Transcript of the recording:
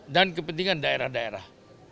dan kepentingan daerah daerah